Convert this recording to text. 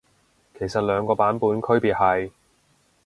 其實兩個版本區別係？